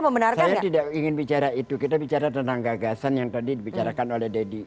saya tidak ingin bicara itu kita bicara tentang gagasan yang tadi dibicarakan oleh deddy